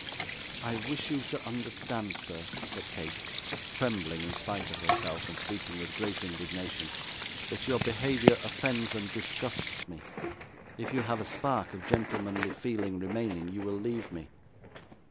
'I wish you to understand, sir,' said Kate, trembling in spite of herself, but speaking with great indignation, 'that your behaviour offends and disgusts me. If you have a spark of gentlemanly feeling remaining, you will leave me.